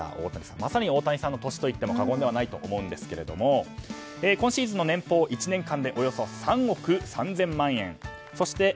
まさにオオタニサンの年といっても過言ではないと思うんですが今シーズンの年俸、１年間でおよそ３億３０００万円。